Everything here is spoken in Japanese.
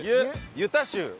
ユタ州。